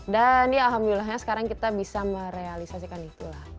dan ya alhamdulillahnya sekarang kita bisa merealisasikan itulah